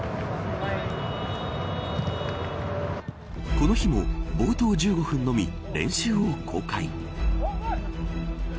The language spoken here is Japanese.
この日も、冒頭１５分のみ練習を公開。